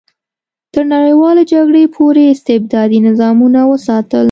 تر نړیوالې جګړې پورې استبدادي نظامونه وساتل.